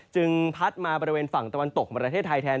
พัดมาบริเวณฝั่งตะวันตกของประเทศไทยแทน